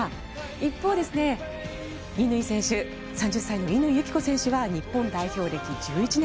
一方で３０歳の乾友紀子選手は日本代表歴１１年。